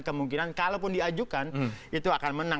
kemungkinan kalaupun diajukan itu akan menang